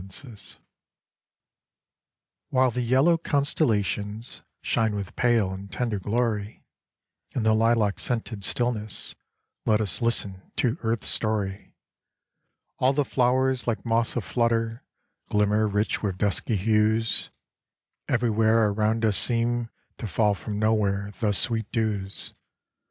21 WHILE the yellow constellations shine with pale and tender glory, In the lilac scented stillness let us listen to earth's story. All the flowers like moths a flutter glimmer rich with dusky hues ; Everywhere around us seem to fall from nowhere the sweet dews.